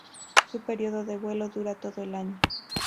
Su período de vuelo dura todo el año.